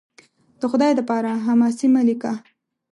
د خدای دپاره! حماسې مه لیکه